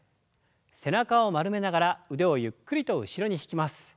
背中を丸めながら腕をゆっくりと後ろに引きます。